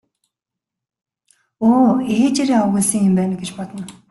Өө ээжээрээ овоглосон юм байна гэж бодно.